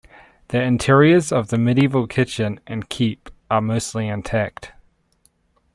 The interiors of the medieval kitchen and keep are mostly intact.